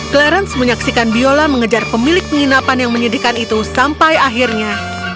clarence menyaksikan biola mengejar pemilik penginapan yang menyedihkan itu sampai akhirnya